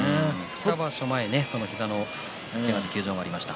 ２場所前にその膝の休場もありました。